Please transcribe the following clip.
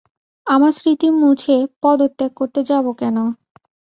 আমার স্মৃতি মুছে, পদ ত্যাগ করতে যাব কেন?